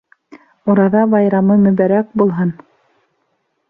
Ураҙа байрамы мөбәрәк булһын!